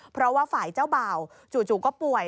เพราะว่าฝ่ายเจ้าบ่าวจู่ก็ป่วย